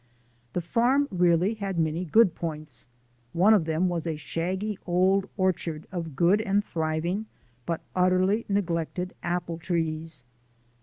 The farm really had many good points. One of them was a shaggy old orchard of good and thriving but utterly neglected apple trees.